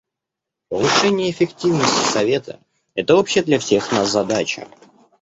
Повышение эффективности Совета — это общая для всех нас задача.